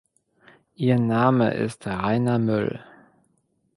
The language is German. Ihr Name ist Reiner Müll.